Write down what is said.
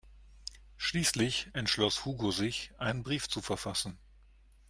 Schließlich entschloss Hugo sich, einen Brief zu verfassen.